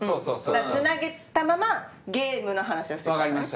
つなげたままゲームの話をしてくださいね。